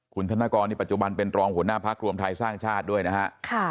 คุณธนกรนี่ปัจจุบันเป็นรองหัวหน้าพักรวมไทยสร้างชาติด้วยนะฮะ